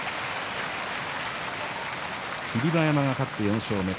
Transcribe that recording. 霧馬山が勝って４勝目。